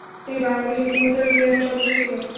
তিনি বাংলাদেশ সিভিল সার্ভিসের একজন সদস্য ছিলেন।